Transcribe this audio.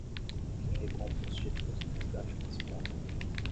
Quem recompra os títulos no resgate antecipado